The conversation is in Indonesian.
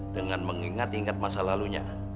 dengan mengingat it masalah lalunya